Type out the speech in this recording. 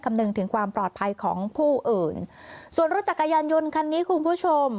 หนึ่งถึงความปลอดภัยของผู้อื่นส่วนรถจักรยานยนต์คันนี้คุณผู้ชม